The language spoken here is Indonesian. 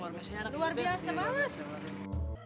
luar biasa banget